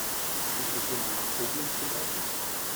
Bist du schon mal nach Koblenz gelaufen?